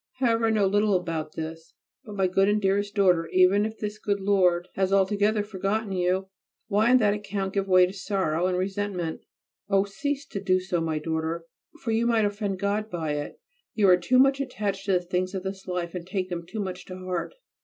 However, I know little about this. But my good and dearest daughter, even if this good lord has altogether forgotten you, why on that account give way to sorrow and resentment? Oh! cease to do so, my daughter, for you might offend God by it. You are too much attached to the things of this life and take them too much to heart.